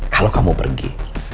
kalau kamu pergi